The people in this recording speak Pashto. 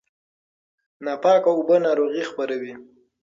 ناپاکه اوبه ناروغي خپروي.